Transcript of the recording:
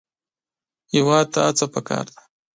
هېواد ته هڅه پکار ده